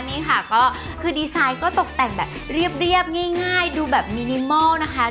นี่ค่ะก็คือดีไซน์ก็ตกแต่งแบบเรียบง่ายดูแบบมินิมอลนะคะ